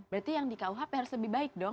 berarti yang di kuhp harus lebih baik dong